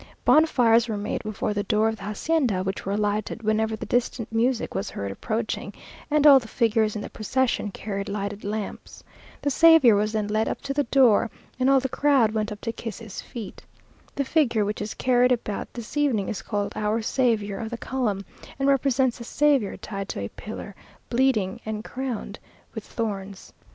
Bonfires were made before the door of the hacienda, which were lighted whenever the distant music was heard approaching, and all the figures in the procession carried lighted lamps. The Saviour was then led up to the door, and all the crowd went up to kiss his feet. The figure which is carried about this evening is called "Our Saviour of the Column," and represents the Saviour tied to a pillar, bleeding, and crowned with thorns.